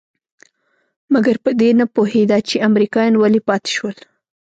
مګر په دې نه پوهېده چې امريکايان ولې پاتې شول.